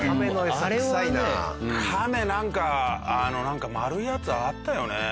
カメなんか丸いやつあったよね。